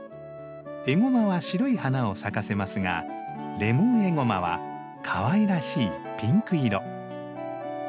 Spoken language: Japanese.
エゴマは白い花を咲かせますがレモンエゴマはかわいらしいピンク色。